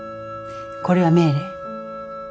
これは命令。